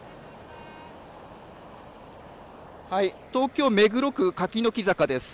東京、目黒区柿ノ木坂です。